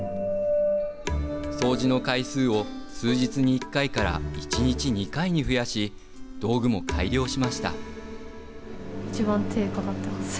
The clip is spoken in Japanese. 掃除の回数を数日に１回から１日２回に増やし道具も改良しました。